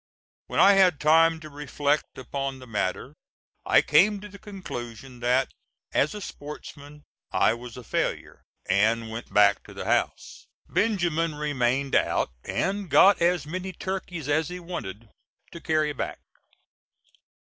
When I had time to reflect upon the matter, I came to the conclusion that as a sportsman I was a failure, and went back to the house. Benjamin remained out, and got as many turkeys as he wanted to carry back.